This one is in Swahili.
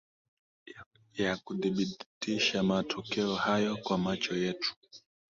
ya kuthibitisha matokeo hayo kwa macho yetu